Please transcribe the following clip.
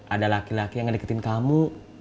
ada laki laki yang ngedeketin kamu